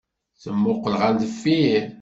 Temmuqqel ɣer deffir.